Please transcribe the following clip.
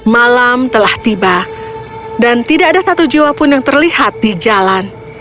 malam telah tiba dan tidak ada satu jiwa pun yang terlihat di jalan